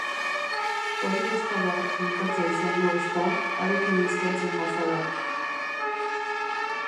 Hori ez da ba finkatzea izango, ezta, harekin ezkontzen bazara?